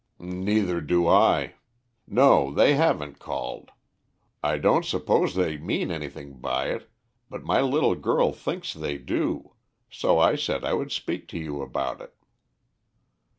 "Neither do I. No, they haven't called. I don't suppose they mean anything by it, but my little girl thinks they do, so I said I would speak to you about it."